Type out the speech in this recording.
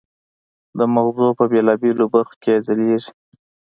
د مغزو په بېلابېلو برخو کې یې ځلېږي.